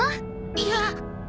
いや。